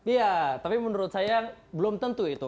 iya tapi menurut saya belum tentu itu